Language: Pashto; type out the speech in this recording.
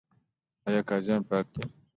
آیا قاضیان پاک دي؟